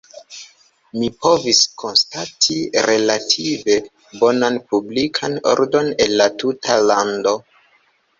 Mi povis konstati relative bonan publikan ordon en la tuta lando.